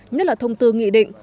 nhất là thông tư nghị định